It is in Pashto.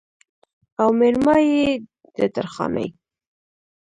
او مېرمايي يې د درخانۍ